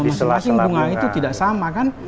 masing masing bunga itu tidak sama kan